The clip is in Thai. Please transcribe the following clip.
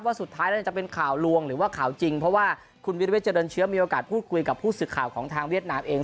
สุดท้ายแล้วจะเป็นข่าวลวงหรือว่าข่าวจริงเพราะว่าคุณวิรเวทเจริญเชื้อมีโอกาสพูดคุยกับผู้สื่อข่าวของทางเวียดนามเอง